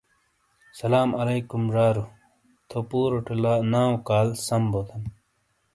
سلام علیکم زارو! تھو پوروٹے ناٶ کال سَم بوتھن!